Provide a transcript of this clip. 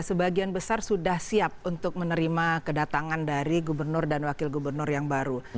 sebagian besar sudah siap untuk menerima kedatangan dari gubernur dan wakil gubernur yang baru